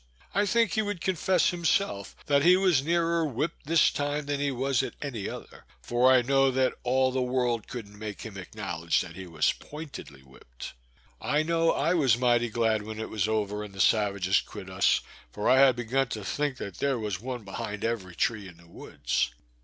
I think he would confess himself, that he was nearer whip'd this time than he was at any other, for I know that all the world couldn't make him acknowledge that he was pointedly whip'd. I know I was mighty glad when it was over, and the savages quit us, for I had begun to think there was one behind every tree in the woods.